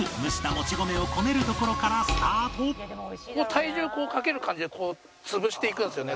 体重をこうかける感じで潰していくんですよね